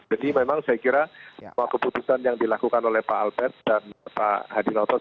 jadi memang saya kira semua keputusan yang dilakukan oleh pak albert dan pak hadirotos